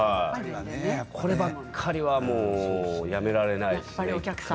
こればっかりはやめられないですね。